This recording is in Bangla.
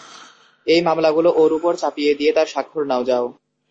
এই মামলাগুলো ওর উপর চাপিয়ে দিয়ে তার স্বাক্ষর নাও, যাও।